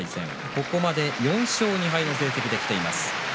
ここまで４勝２敗の成績できています。